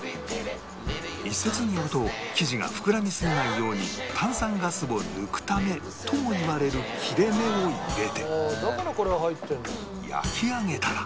一説によると生地が膨らみすぎないように炭酸ガスを抜くためともいわれる切れ目を入れて焼き上げたら